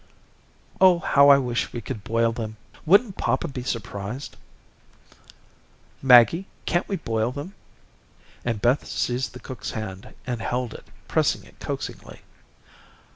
"Oh, how I wish we could boil them. Wouldn't papa be surprised? Maggie, can't we boil them?" and Beth seized the cook's hand and held it, pressing it coaxingly.